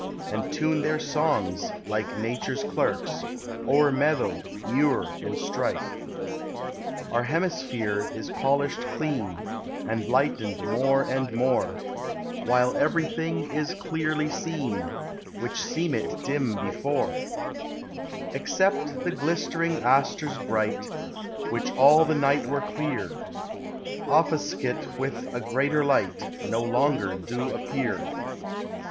And tune their songs, like Nature's clerks. O'er meadow, muir, and stripe. Our hemisphere is polisht clean, And lightened more and more; While everything is clearly seen, Which seemit dim before; Except the glistering astres bright, Which all the night were clear, Offuskit with a greater light No longer do appear.